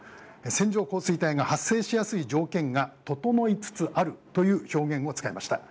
線状降水帯が発生しやすい条件が整いつつあるという表現を使いました。